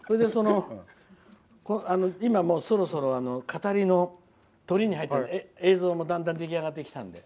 そろそろ語りのとりに入ってだんだん出来上がってきたので。